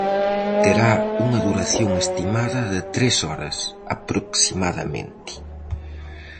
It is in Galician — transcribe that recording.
Terá unha duración estimada de tres horas, aproximadamente.